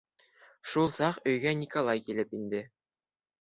Шул саҡ өйгә Николай килеп инде.